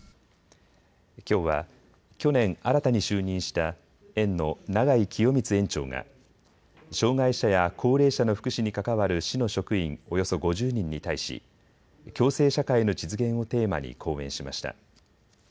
きょうは去年、新たに就任した園の永井清光園長が障害者や高齢者の福祉に関わる市の職員およそ５０人に対し共生社会の実現をテーマに講演しました。